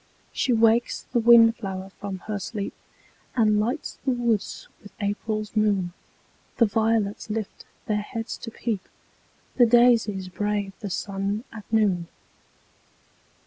She wakes the wind flower from her sleep, And lights the woods with April's moon; The violets lift their heads to peep, The daisies brave the sun at noon.